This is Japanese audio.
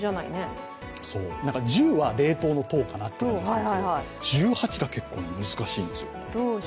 １０は冷凍の「とう」かなと思うけど１８が結構難しいんですよ。